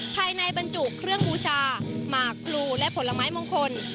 ภายในบรรจุเครื่องบูชาหมากพลูและผลไม้มงคล